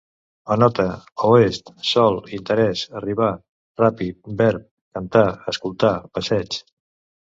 Anota: oest, sòl, interès, arribar, ràpid, verb, cantar, escoltar, passeig